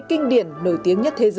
kinh điển nổi tiếng nhất thế giới